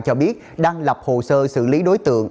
cho biết đang lập hồ sơ xử lý đối tượng